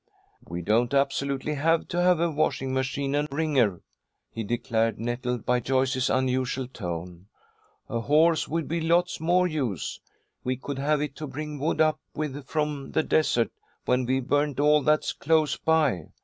"We don't absolutely have to have a washing machine and wringer," he declared, nettled by Joyce's unusual tone. "A horse would be lots more use. We could have it to bring wood up with from the desert when we've burned all that's close by.